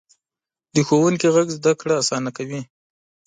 د ښوونکي غږ زده کړه اسانه کوي.